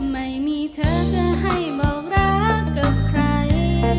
ไม่มีเธอจะให้บอกรักกับใคร